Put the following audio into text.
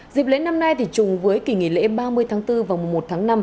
dịp lễ năm nay thì chung với kỷ nghỉ lễ ba mươi tháng bốn và một tháng năm